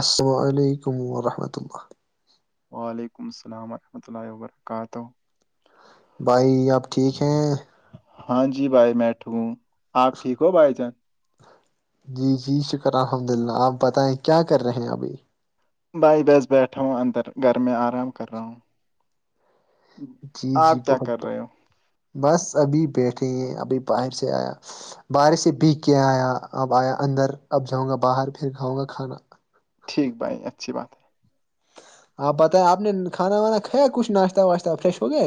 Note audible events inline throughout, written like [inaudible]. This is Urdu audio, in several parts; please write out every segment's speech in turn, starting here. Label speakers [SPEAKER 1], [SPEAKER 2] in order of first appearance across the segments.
[SPEAKER 1] السل علیکم و رحمۃ اللہ
[SPEAKER 2] وعلیکم السلام ورحمۃ اللہ وبرکاتہ
[SPEAKER 1] بھائی آپ ٹھیک ہیں
[SPEAKER 2] ہاں جی بھائی میںٹو ہوں آپ ٹھیک ہو بھائی جان
[SPEAKER 1] جی جی شکر الحمد اللہ آپ بتائیں کیا کر رہے ہیں ابھی
[SPEAKER 2] بھائی بس بیٹھا ہوں اندر گھر میں آرام کر رہا ہوں
[SPEAKER 1] جی جی
[SPEAKER 2] آپ کیا کر
[SPEAKER 1] بہت
[SPEAKER 2] رہے ہو
[SPEAKER 1] بس ابھی بیٹھے ہیں ابھی پائپ سے آیا بارش سے بیگ کے آیا اب آیا اندر اب جاؤں گا باہر پھر کھاؤں گا کھانا
[SPEAKER 2] ٹھیک بھائی اچھی بات ہے
[SPEAKER 1] آپ بتائیں آپ نے کھانا وانا کھیا کچھ ناشت واشہ فریش ہو گیا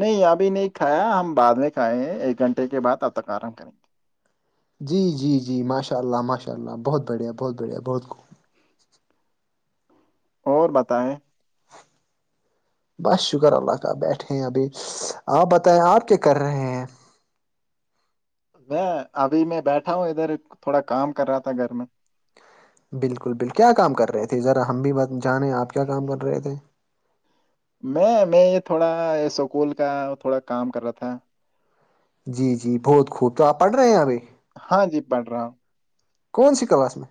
[SPEAKER 2] نہیں ابھی نہیں کھایا ہم بعد میں کھائے ہیں ایک گھنٹے کے بعد اب تک آرم کریں گے
[SPEAKER 1] جی جی جی ماشاء اللہ ماشء اللہ بہت بڑھیا بہت بڑھیا بہت خوب
[SPEAKER 2] اور بتائیں
[SPEAKER 1] بس شکر اللہ کا بیٹھے ہیں ابھی آپ بتائیں آپ کیا کر رہے ہیں
[SPEAKER 2] میں ابھی میں بیٹھا ہوں ادھر تھوڑا کام کر رہا تھا گھر میں
[SPEAKER 1] بالکل بالکل کیا کام کر رہے تھے ذرا ہم بھی جانے آپ کیا کام کر رہے تھے
[SPEAKER 2] میں میں یہ تھوڑا سکول کا تھوڑا کام کر رہا تھا
[SPEAKER 1] جی جی بہت خوب تو آپ پڑھ رہے ہیں یہ ابھی
[SPEAKER 2] ہاں جی پڑھ رہا ہوں
[SPEAKER 1] کون سی کلاس میں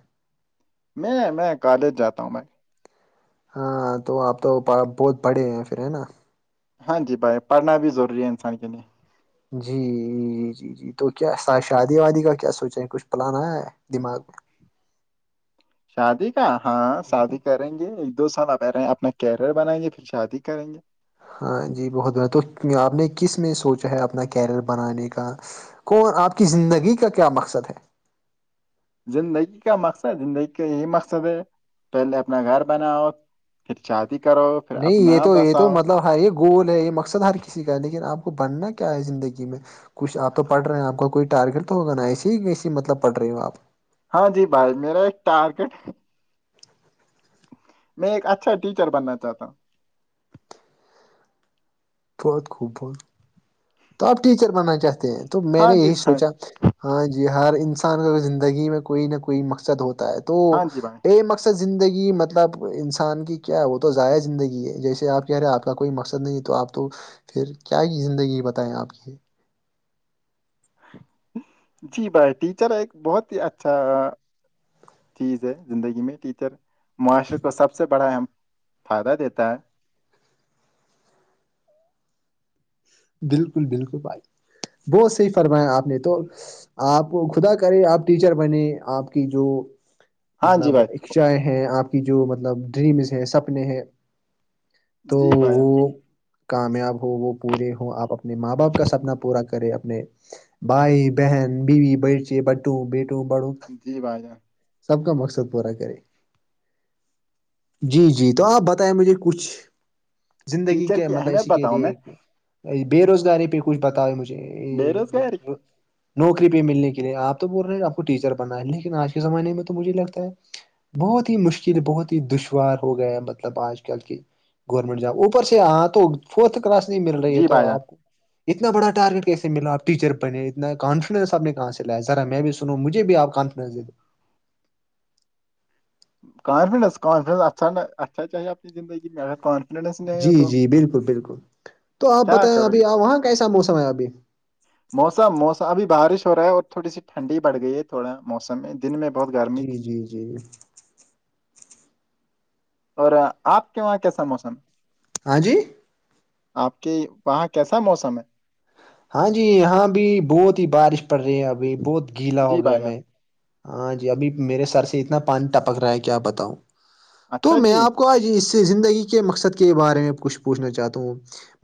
[SPEAKER 2] میں میں کالج جاتا ہوں میں
[SPEAKER 1] ہاں تو آپ تو بہت بڑے ہیں پھر ہے نا
[SPEAKER 2] ہاں جی بھائی پڑھنا بھی ضروری ہے انسان کے لیے
[SPEAKER 1] جی جی جی جی تو کیا شادی وادی کا کیا سوچیں ہیں کچھ پلان آیا ہے دماغ میں
[SPEAKER 2] شادی کا ہاں شادی کر کریں گے ایک دو سال اب رہے اپنا کیریئر بنائیں گے پھر شادی کریں گے
[SPEAKER 1] ہاں جی بہت ب تو آپ نے کس میں سوچا ہے اپنا کیریئر بنانے کا کون آپ کی زندگی کا کیا مقصد ہے
[SPEAKER 2] زندگی کا مقصد زندگی کا یہی مقصد ہے پہلے اپنا گھر بناؤ پھر شاہادی کرو پھر
[SPEAKER 1] نہیں یہ
[SPEAKER 2] اپنا
[SPEAKER 1] تو یہ تو
[SPEAKER 2] بساؤ
[SPEAKER 1] مطلب ہاں یہ گول ہے یہ مقصد ہر کسی کا ہے لیکن آپ کو بننا کیا ہے زندگی میں کچھ آپ تو پڑ رہے ہیں آپ کا کوئی ٹارگیٹ توگا نا ایسے ہی ایسی مطلب پڑھ رہی ہو آپ
[SPEAKER 2] ہاں جی بھائی میرا ایک ٹارگیٹ میں ایک اچھا ٹیچر بننا چاہتا ہوں
[SPEAKER 1] بہت خوب بہت تو آپ ٹیچر بننا چاہتے ہیں تو میں
[SPEAKER 2] ہاں
[SPEAKER 1] نے
[SPEAKER 2] جی
[SPEAKER 1] یہی
[SPEAKER 2] بھائی
[SPEAKER 1] سوچا ہاں جی ہر انسان کا اگر زندگی میں کوئی نہ کوئی مقصد ہوتا ہے تو
[SPEAKER 2] ہاں جی بھائی
[SPEAKER 1] بے مقص م زندگی مطلب انسان کی کیا ہے وہ تو ضائع زندگی ہے جیسے آپ کہہ رہے ہیں آپ کا کوئی مقصد نہیں تو آپ تو پھر کیا زندگی بتائیں آپ یہ
[SPEAKER 2] جی بھائی ٹیچر ایک بہت ہی اچھا چیز ہے زندگی میں ٹیچر معاشرے کو سب سے بڑا اہم فائدہ دیتا ہے
[SPEAKER 1] بالکل بالکل بھائی بہت صحیح فرمایا آپ نے تو آپ خدا کرے آپ ٹیچر بنے آپ کی جو
[SPEAKER 2] ہاں جی
[SPEAKER 1] مطلب
[SPEAKER 2] بھائی
[SPEAKER 1] اھایں ہیں آپ کی جو مطلب ڈریمز ہیں سپنے ہیں تو
[SPEAKER 2] جی بھائی
[SPEAKER 1] وہ کامیاب ہو وہ پورے ہووں آپ اپنے ماں باپ کا سپنا پورا کرے اپنے بھائی بہن بیوی برچے بٹو بیٹو بڑوں
[SPEAKER 2] جی بھائی جان
[SPEAKER 1] سب کا مقصد پورا کرے جی جی تو آپ بتائیں مجھے کچھ زندگی
[SPEAKER 2] ٹیچر
[SPEAKER 1] کے
[SPEAKER 2] کی اہمیت
[SPEAKER 1] متشی کے
[SPEAKER 2] بتاؤں میں
[SPEAKER 1] لیے بے روزگاری پہ کچھ بتاؤ مجھے
[SPEAKER 2] بے روزگاری
[SPEAKER 1] نوکری پہ ملنے کے لیے آپ تو بول رہے ہیں آپ کو ٹیچر بننا ہے لیکن آج کے زمانے میں تو مجھے لگتا ہے بہت ہی مشکل بہت ہی دشوار ہو گیا مطلب آج کل کے گورنمنٹ جاب اوپر سے ہاں تو فورتھ کلاس نہیں مل رہی ہے
[SPEAKER 2] جی
[SPEAKER 1] تو
[SPEAKER 2] بھائی جان
[SPEAKER 1] آپ کو اتنا بڑاٹاریٹ کیس ملاپ ٹیچر بنے اتنا کانفیڈینس آپ نے کہاں سے لایا را میں بھی سنوں مجھے بھی آپ کانفڈنس ہے
[SPEAKER 2] کانفیڈینس کانفیڈینس اچھا اچھا چاہے اپنی زگی میںانف
[SPEAKER 1] جی جی بالکل بالکل تو آپ
[SPEAKER 2] کیا
[SPEAKER 1] بتائیں
[SPEAKER 2] کرو
[SPEAKER 1] ابھی
[SPEAKER 2] گے
[SPEAKER 1] وہاں کیسا موسم ہے ابھی
[SPEAKER 2] موسم موسم ابھی بارش ہو رہا ہے اور تھوڑی سی ٹھنڈی بڑھ گئی ہے تھوڑا موسم میں دن میں بہت گرمی
[SPEAKER 1] جی
[SPEAKER 2] تھی
[SPEAKER 1] جی جی
[SPEAKER 2] اور آپ کے وہاں کیسا موسم
[SPEAKER 1] ہاں جی
[SPEAKER 2] آپ کے وہاں کیسا موسم ہے
[SPEAKER 1] ہاں جی یہاں بھی بہت ہی بارش پڑ رہی ہے ابھی بہت گیلا
[SPEAKER 2] جی
[SPEAKER 1] ہو گیا
[SPEAKER 2] بھائی جان
[SPEAKER 1] میں ہاں جی ابھی میرے سر سے اتنا پانی ٹپک رہا ہے کیا بتاؤں تو
[SPEAKER 2] اچھا
[SPEAKER 1] میں
[SPEAKER 2] جی
[SPEAKER 1] آپ کو آج اس زندگی کے مقصد کے بارے میں کچھ پوچھنا چاہتا ہوں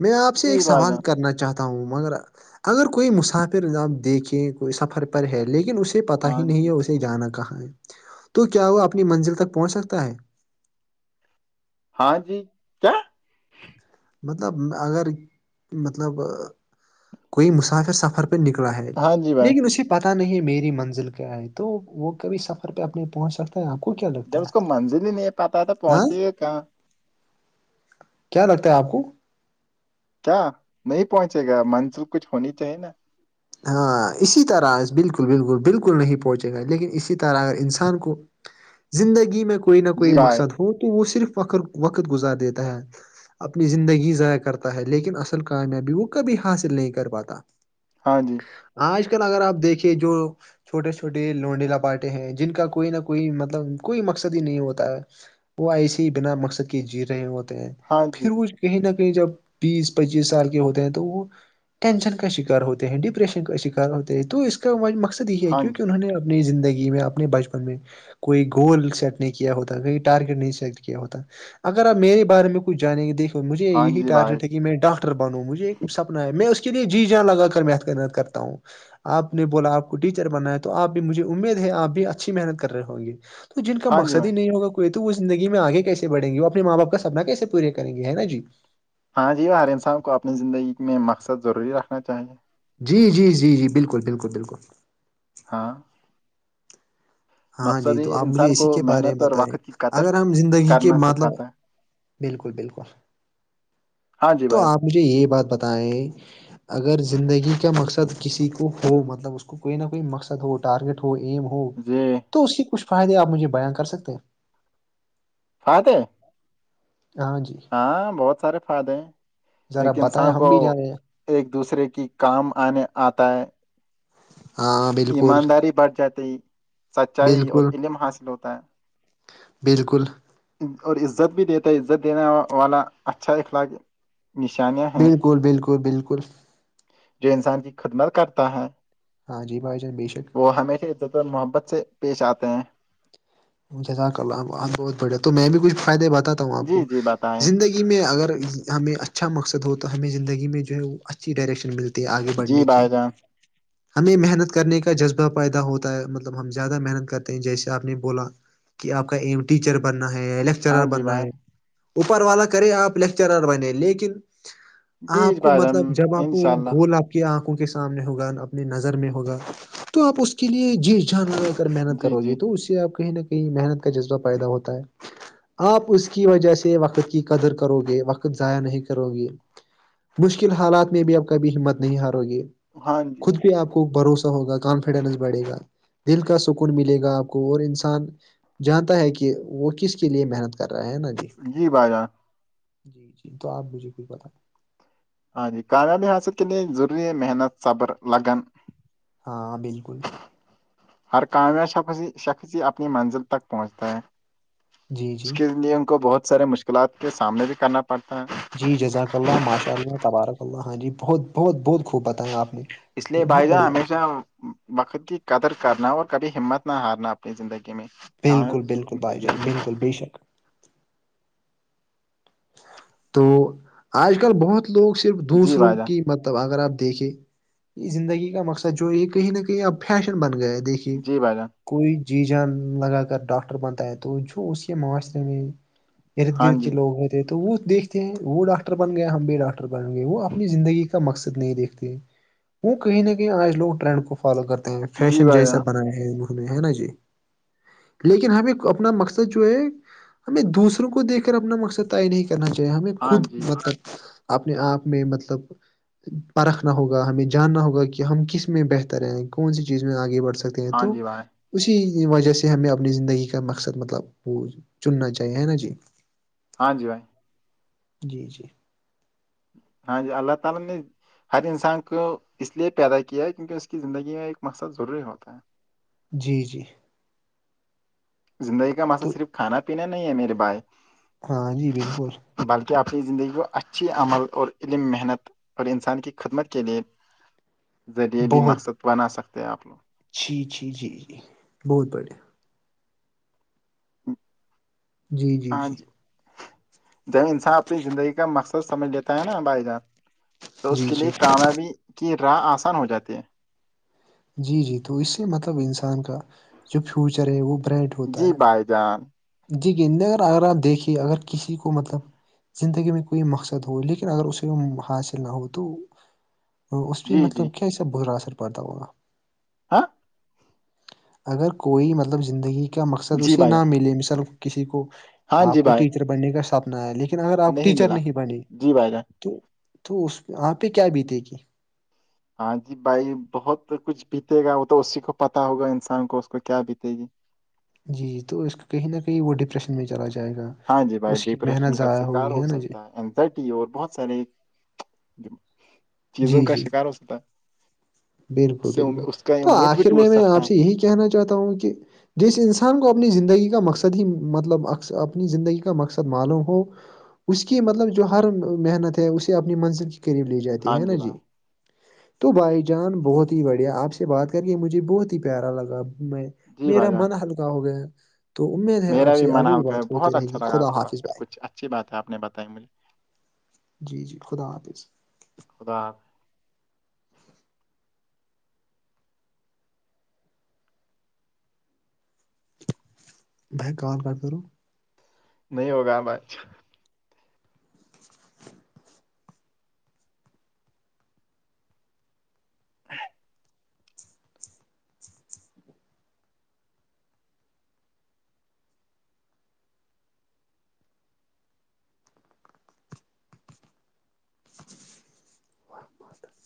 [SPEAKER 1] میں آپ سے ایک
[SPEAKER 2] جی بھائی
[SPEAKER 1] سوال
[SPEAKER 2] جان
[SPEAKER 1] کرنا چاہتا ہوں مگر اگر کوئی مسافر آپ دیکھیں کوئی سفر پر ہے لیکن اسی پتا ہی
[SPEAKER 2] ہاں
[SPEAKER 1] نہیں ہے
[SPEAKER 2] جی
[SPEAKER 1] اسے جانا کہاں ہے تو کیا وہ اپنی منزل تک پہنچ سکتا ہے
[SPEAKER 2] ہاں جی کیا
[SPEAKER 1] مطلب اگر مطلب کوئی مسافر سفر نکلا ہے
[SPEAKER 2] ہاں جی بھائی
[SPEAKER 1] لیکن اسی پہ پتہ نہیں میری منزل کیا ہے تو وہ کبھی سفر پہ اپنے پہنچ سف آپ کو کیا لگتا
[SPEAKER 2] جب اس کو
[SPEAKER 1] ہے
[SPEAKER 2] منزلی نہیں پتا ہے تو
[SPEAKER 1] ہاں
[SPEAKER 2] پہنچیے کہاں
[SPEAKER 1] کیا لگتا ہے آپ کو
[SPEAKER 2] کیا نہیں پہنچے گا منزل کچھ ہونی چاہیے نا
[SPEAKER 1] ہاں اسی طرح بالکل بالکل بالکل نہیں پہنچے گا لیکن اسی طرح اگر انسان کو زندگی میں کوئی نہ کوئی
[SPEAKER 2] جی بھائی
[SPEAKER 1] مقصد ہو تو وہ صرف ور وقت گزار دیتا ہے اپنی زندگی ضائع کرتا ہے لیکن اصل کامیابی وہ کبھی حاصل نہیں کر پاتا
[SPEAKER 2] ہاں جی
[SPEAKER 1] آج کل اگر آپ دیکھیے جو چھوٹے چھوٹے لونڈی لپاٹے ہیں جن کا کوئی نہ کوئی مطلب کوئی مقصد ہی نہیں ہوتا ہے وہ ایسے ہی بنا مقصد کے جی رہے ہوتے ہیں
[SPEAKER 2] ہاں جی
[SPEAKER 1] پھر وہ کہیں نہ کہیں جب بیس پچیس سال کے ہوتے ہیں تو وہ ٹینشن کا شکار ہوتے ہیں ڈی ڈپریشن کا شکار ہوتے ہیں تو اس کا مقصد یہ ہے
[SPEAKER 2] ہاں جی
[SPEAKER 1] کیونکہ انہوں نے اپنی زندگی میں اپنے بچپن میں کوئی گول سیٹ نہیں کیا ہوتا کہئی ٹارگیٹ نہیں سلٹ کیا ہوتا اگر آپ میرے بارے میں کچ جانیں کے دیکھ مجھے
[SPEAKER 2] ہاں
[SPEAKER 1] یہی
[SPEAKER 2] جی بھائی
[SPEAKER 1] ٹارگیٹ ہے کہ میں ڈاکٹر بنوں مجھے ایک سپنا ہے میں اس کے لیے جی جاں لگا کر میتھ کرنا تھا کرتا ہوں آپ نے بولا آپ کو ٹیچر بنا ہے تو آپ بھی مجھے امید ہے آپ بھی اچھی محنت کر رہے ہوں گی تو جن کا
[SPEAKER 2] ہاں جی
[SPEAKER 1] مقصد ہی
[SPEAKER 2] بھائی
[SPEAKER 1] نہیں ہوگا تو وہ زندگی میں آگے کیسے بڑیں گی وہ اپنے ماں باپ کا سپنا کیسے پورے کریں گے ہے نا جی
[SPEAKER 2] ہاں جی ہر انسان کو اپنی زندگی میں مقصد ضروری رکھنا چاہیے
[SPEAKER 1] جی جی جی جی بالکل بالکل بالکل
[SPEAKER 2] ہاں
[SPEAKER 1] ہاں جی
[SPEAKER 2] مقصد ہی
[SPEAKER 1] تو آپ مجھے
[SPEAKER 2] انسان
[SPEAKER 1] اسی
[SPEAKER 2] کو
[SPEAKER 1] کے بارے میں
[SPEAKER 2] محنت اور
[SPEAKER 1] بتائیں
[SPEAKER 2] وقت کی قدر
[SPEAKER 1] اگر ہم زندگی کے
[SPEAKER 2] کرنا
[SPEAKER 1] مطلب
[SPEAKER 2] سکھاتا ہے
[SPEAKER 1] بالکل بالکل
[SPEAKER 2] ہاں جی
[SPEAKER 1] تو
[SPEAKER 2] بائیو
[SPEAKER 1] آپ مجھے یہ بات بتائیں اگر زندگی کا مقصد کسی کو ہو مطلب اس کو کوئی نہ کوئی مقصد ہو ارگیٹ ہو ایم ہو
[SPEAKER 2] جی [inaudible]
[SPEAKER 1] تو اس کے کچھ فائدے آپ مجھے بییاں کر سکتے ہیں
[SPEAKER 2] فات ہے [inaudible]
[SPEAKER 1] ہاں جی
[SPEAKER 2] ہاں بہت سارے فائدے ہیں
[SPEAKER 1] ذرا
[SPEAKER 2] ایک
[SPEAKER 1] بتائیں
[SPEAKER 2] انسان
[SPEAKER 1] ہم
[SPEAKER 2] کو
[SPEAKER 1] بھی جانیں
[SPEAKER 2] ایک دوسرے کی کام آنے آتا ہے
[SPEAKER 1] ہاں بالکل
[SPEAKER 2] ایمانداری بڑھ جاتے ہی سچائی اور
[SPEAKER 1] بالکل
[SPEAKER 2] علم حاصل ہوتا ہے
[SPEAKER 1] بالکل
[SPEAKER 2] اور عزت بھی دیتا ہے عزت دینےا والا اچھا اخلاق [inaudible] نشانیاں ہیں
[SPEAKER 1] بالکل بالکل بالکل
[SPEAKER 2] جو انسان کی خدمت کرتا ہے
[SPEAKER 1] ہاں جی بھ بے شک [unintelligible]
[SPEAKER 2] وہ ہمیشہ عزت و اور محبت سے پیش آتے ہیں
[SPEAKER 1] جزاک الام بہت بڑھیا تو میں بھی کچھ فائدے بتاتا ہوں آپ کو
[SPEAKER 2] جی جی بتائیں
[SPEAKER 1] زندگی میں اگر ہمیں اچھا مقصد ہو تو ہمیں زندگی میں جو ہے وہ اچھی ڈائریکشن ملتی ہے آگے بڑھنے
[SPEAKER 2] جی
[SPEAKER 1] کی
[SPEAKER 2] بھائی جان
[SPEAKER 1] ہمیں محنت کرنے کا جذبہ پیدا ہوتا ہے مطلب ہم زیادہ محنت کرتے ہیں جیسے آپ نے بولا کہ آپ کا ایم ٹیچر بننا ہے
[SPEAKER 2] ہاں
[SPEAKER 1] لیکچرر
[SPEAKER 2] جی
[SPEAKER 1] بننا
[SPEAKER 2] بھائی
[SPEAKER 1] ہے اوپر والا کرے آپ لیکچرر بنے لیکن آپ
[SPEAKER 2] جی
[SPEAKER 1] کو
[SPEAKER 2] بھائی جان
[SPEAKER 1] مطلب جب آپ کو
[SPEAKER 2] انشاء اللہ
[SPEAKER 1] گول آپ کی آنکھوں کے سامنے ہوگا اپنی نظر میں ہوگا تو آپ اس کے لیے جیس جانور محنت
[SPEAKER 2] جی
[SPEAKER 1] کرو گی
[SPEAKER 2] جی
[SPEAKER 1] تو اس سے آپ کہیں نہ کہیں محنت کا جذبہ پائیدہ ہوتا ہے آپ اس کی وجہ سے وقت کی قدر کرو گے وقت ضائع نہیں کرو گی مشکل حالات میں بھی آپ کبھی ہمت نہیں ہارو گے
[SPEAKER 2] ہاں جی
[SPEAKER 1] خود بھی آپ کو بھروسہ ہوگا کہ کانفیڈنس بڑھے گا دل کا سکون ملے گا آپ کو اور انسان جانتا ہے کہ وہ کس کے لیے محنت کر رہا ہے نا جی
[SPEAKER 2] جی باجا [unintelligible]
[SPEAKER 1] جی جی تو آپ مجھے کوئی پت
[SPEAKER 2] ہاں جی کامیاب ہسا کے لیے ضروری محنت صبر لگان [inaudible]
[SPEAKER 1] ہاں بالکل
[SPEAKER 2] ہر کامیا ش شخصی اپنی منزل تک پہنچتا ہے
[SPEAKER 1] جی
[SPEAKER 2] [inaudible]
[SPEAKER 1] جی
[SPEAKER 2] اس کے لیے ان کو بہت سارے مشکلات کے سامنے بھی کرنا پڑتا ہے
[SPEAKER 1] جی جزاک اللہ ماشاء اللہ تبارک اللہ ہاں جی بہت بہت بہت خوب بتایا آپ نے
[SPEAKER 2] اس لیے
[SPEAKER 1] یہ
[SPEAKER 2] بھائی
[SPEAKER 1] بہت
[SPEAKER 2] جان
[SPEAKER 1] بڑی بات
[SPEAKER 2] ہمیشہ وقت کی قدر کرنا اور کبھی ہمت نہ ہارنا اپنی زندگی میں ؤیں بھی ضرور ملے گی [inaudible]
[SPEAKER 1] بری شک [unintelligible] تو آج کل بہت لوگ صرف
[SPEAKER 2] جی
[SPEAKER 1] دوسروں
[SPEAKER 2] بھائی
[SPEAKER 1] کی
[SPEAKER 2] جان
[SPEAKER 1] مطلب اگر آپ دیکھیں یہ زندگی کا مقصد جو یہ کہیں نہ کہیں اب فیشن بن گیا ہے دیکھیے کہ
[SPEAKER 2] جی بھائی جان
[SPEAKER 1] کوئی جی جان لگا کر ڈاکٹر بنتا ہے تو جو اس کے معاشرے میں ارد
[SPEAKER 2] ہاں
[SPEAKER 1] گرد کے
[SPEAKER 2] جی
[SPEAKER 1] لوگ ہوتے تو وہ دیکھتے ہیں وہ ڈاکٹر بن گئے ہم بھی ڈاکٹر بن گے وہ اپنی زندگی کا مقصد نہیں دیکھتے وہ کہیں نہ کہیں آج لوگ ٹرینڈ کو فالو کرتے ہیں
[SPEAKER 2] جی
[SPEAKER 1] فیشن
[SPEAKER 2] بھائی
[SPEAKER 1] جیسا
[SPEAKER 2] جان
[SPEAKER 1] بنایا ہے انہوں نے ہے نا جی لیکن ہمیں اپنا مقصد جو ہے ہمیں دوسروں کو دیکھ کر اپنا مقصد یہ نہیں کرنا چاہیے ہمیں
[SPEAKER 2] ہاں
[SPEAKER 1] خود
[SPEAKER 2] جی
[SPEAKER 1] مطلب اپنے آپ میں مطلب پرکھنا ہوگا ہمیں جاننا ہوگا کہ ہم کس میں بہتر ہیں کون سی چیز میں آگے بڑھ سکتے
[SPEAKER 2] ہاں
[SPEAKER 1] تو
[SPEAKER 2] جی بھائی
[SPEAKER 1] [inaudible] اسی وجہ سے ہمیں اپنی زندگی کا مقصد مطلب وہ چننا چاہیے ہے نا جی
[SPEAKER 2] ہاں جی بھائی
[SPEAKER 1] جی جی
[SPEAKER 2] ہاں جی اللہ تعالی نے ہر انسان کو اس لیے پیدا کیا ہے کیونکہ اس کی زندگی میں ایک مقصد ضروری ہوتا ہے
[SPEAKER 1] جی جی
[SPEAKER 2] زندگی کا
[SPEAKER 1] تو
[SPEAKER 2] مسصئلہ صرف کھانا پینا نہیں ہے میرے بھائی
[SPEAKER 1] ہاں جی بالکل
[SPEAKER 2] بلکہ اپنی زندگی کو اچھی عمل اور علم محنت اور انسان کی خدمت کے لیے ذریعے بھی
[SPEAKER 1] بہت
[SPEAKER 2] مقصد بنا سکتے ہیں آپ لوگ
[SPEAKER 1] جی جی جی جی بہت بڑھیا جی جی جی
[SPEAKER 2] جب انسان اپنی زندگی کا مقصد سمجھ لیتا ہے نا بھائی جان تو اس
[SPEAKER 1] جی
[SPEAKER 2] کے
[SPEAKER 1] جی
[SPEAKER 2] لیے کامیابی کی راہ آسان ہو جاتی ہے
[SPEAKER 1] جی جی تو اس سے مطلب انسان کا جو فیوچر ہے وہ برائٹ ہوتا
[SPEAKER 2] جی
[SPEAKER 1] ہے
[SPEAKER 2] بھائی جان
[SPEAKER 1] جی گینداگر اگر آپ دیکھیے اگر کسی کو مطلب زندگی میں کوئی مقصد ہو لیکن اگر اسے کو حاصل نہ ہو تو اس پہ
[SPEAKER 2] جی
[SPEAKER 1] مطلب
[SPEAKER 2] جی
[SPEAKER 1] کیا سب برا اثر پڑتا ہوگا
[SPEAKER 2] ہاں [inaudible]
[SPEAKER 1] اگر کوئی مطلب زندگی کا مقصد
[SPEAKER 2] جی
[SPEAKER 1] اسے
[SPEAKER 2] بھائی جان
[SPEAKER 1] نہ ملے مثال کسی کو
[SPEAKER 2] ہاں
[SPEAKER 1] آپ
[SPEAKER 2] جی
[SPEAKER 1] کو
[SPEAKER 2] بھائی
[SPEAKER 1] ٹی بننے کا سپنا ہے لیکن اگر آپ ٹیچر نہیں بنے
[SPEAKER 2] جی بھائی جان
[SPEAKER 1] تو تو اس وہاں پہ کیا بیتے گی
[SPEAKER 2] ہاں جی بھائی بہت کچھ بیتے گا وہ تو اسی کو پتا ہوگا انسان کو اس کو کیا بیتے گی
[SPEAKER 1] جی جی تو اس کہیں نہ کہیں وہ ڈپریشن میں چلا جائے گا
[SPEAKER 2] ہاں جی بھائی
[SPEAKER 1] اس کی محنت
[SPEAKER 2] ڈپریشن کا
[SPEAKER 1] ضائع
[SPEAKER 2] شکار
[SPEAKER 1] ہوگی
[SPEAKER 2] ہو
[SPEAKER 1] ہے نا جی
[SPEAKER 2] سکتا ہے زٹی اور بہت سارے چیزوں
[SPEAKER 1] جی
[SPEAKER 2] کا
[SPEAKER 1] جی
[SPEAKER 2] شکار ہو ستا
[SPEAKER 1] بالکل بالکل تو
[SPEAKER 2] امید بھی
[SPEAKER 1] آخر
[SPEAKER 2] ٹوٹ
[SPEAKER 1] میں میں آپ
[SPEAKER 2] سکتا ہے
[SPEAKER 1] سے یہی کہنا چاہتا ہوں کہ جس انسان کو اپنی زندگی کا مقصد ہی مطلب اپنی زندگی کا مقصد معلوم ہو اس کی مطلب جو ہر محنت ہے اسے اپنی منزل کے قریب لے ج جاتی
[SPEAKER 2] ہاں
[SPEAKER 1] ہے نا جی
[SPEAKER 2] بھائی
[SPEAKER 1] تو بھائی ج جان بہت ہی بڑھیا آپ سے بات کر کے مجھے بہت ہی پیارا لگا میں
[SPEAKER 2] جی
[SPEAKER 1] میرا
[SPEAKER 2] بھائی جان
[SPEAKER 1] من ہلکا ہو گیا تو امید ہے آپ
[SPEAKER 2] میرا
[SPEAKER 1] سے
[SPEAKER 2] من
[SPEAKER 1] آگے بھی
[SPEAKER 2] ہلکا ہے
[SPEAKER 1] بات
[SPEAKER 2] بہت
[SPEAKER 1] ہوتی رہے گی
[SPEAKER 2] اچھا لگا
[SPEAKER 1] خدا
[SPEAKER 2] آپ سے
[SPEAKER 1] حافظ
[SPEAKER 2] بات کر
[SPEAKER 1] بھائی
[SPEAKER 2] کچھ اچھی بات ہےپ نے بتائی مجھے
[SPEAKER 1] جی جی خدا حافظ
[SPEAKER 2] خدا
[SPEAKER 1] ب ہک کال کٹ کرو
[SPEAKER 2] نہیں ہوگا ابج
[SPEAKER 1] [inaudible]